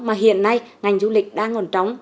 mà hiện nay ngành du lịch đang còn trống